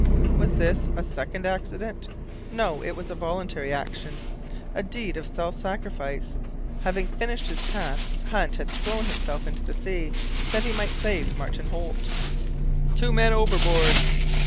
Was this a second accident? No! it was a voluntary action, a deed of self sacrifice. Having finished his task, Hunt had thrown himself into the sea, that he might save Martin Holt. "Two men overboard!"